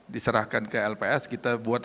diserahkan ke lps kita buat